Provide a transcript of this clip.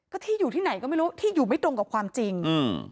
ก็ที่อยู่ที่ไหนก็ไม่รู้ที่อยู่ไม่ตรงกับความจริงอืม